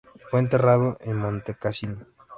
Fue enterrado en Montecassino.